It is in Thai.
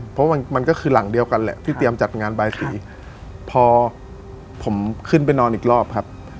เพราะว่ามันมันก็คือหลังเดียวกันแหละที่เตรียมจัดงานบายสีพอผมขึ้นไปนอนอีกรอบครับ